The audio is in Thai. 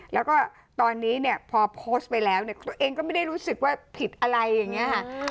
แล้วก็ตอนนี้เนี่ยพอโพสต์ไปแล้วเนี่ยตัวเองก็ไม่ได้รู้สึกว่าผิดอะไรอย่างนี้ค่ะ